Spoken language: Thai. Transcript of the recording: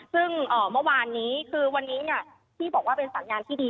ซึ่งเมื่อวานนี้คือวันนี้ที่บอกว่าเป็นสัญญาณที่ดี